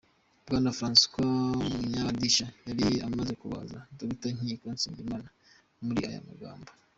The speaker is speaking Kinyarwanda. Bwana Francois Munyabagisha yari amaze kubaza Dr Nkiko Nsengimana muri aya magambo: